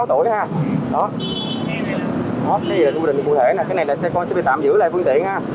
cái gì là thu định cụ thể nè cái này là con sẽ bị tạm giữ lại phương tiện ha